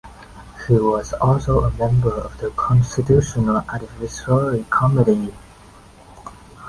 He was also a member of the constitutional advisory committee.